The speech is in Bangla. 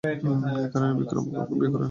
একারণেই বিক্রম ওকে বিয়ে করেনি।